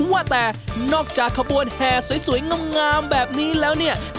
ว่าแต่นอกจากขบวนแห่สวยงามแบบนี้แล้วเนี่ย